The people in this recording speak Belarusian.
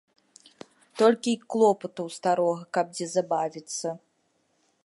Толькі й клопату ў старога каб дзе забавіцца.